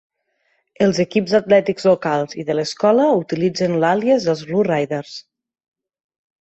Els equips atlètics locals i de l"escola utilitzen l"àlies dels Blue Raiders.